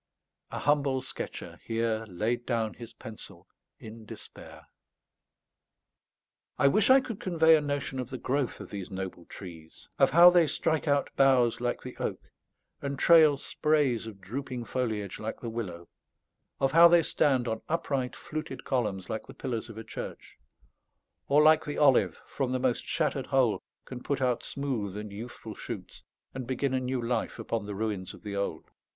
A humble sketcher here laid down his pencil in despair. I wish I could convey a notion of the growth of these noble trees; of how they strike out boughs like the oak, and trail sprays of drooping foliage like the willow; of how they stand on upright fluted columns like the pillars of a church; or like the olive, from the most shattered hole can put out smooth and youthful shoots, and begin a new life upon the ruins of the old.